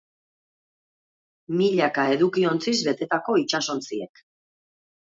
Milaka edukiontziz betetako itsas-ontziek.